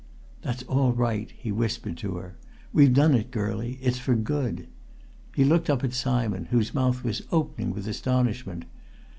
"That's all right!" he whispered to her. "We've done it, girlie it's for good!" He looked up at Simon, whose mouth was opening with astonishment.